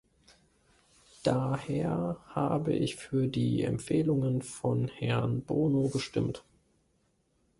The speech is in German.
Daher habe ich für die Empfehlungen von Herrn Bono gestimmt.